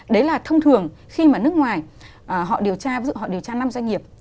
đấy là thông thường khi mà nước ngoài họ điều tra năm doanh nghiệp